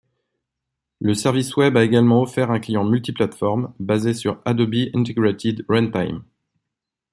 Le service web a également offert un client multiplate-forme basé sur Adobe Integrated Runtime.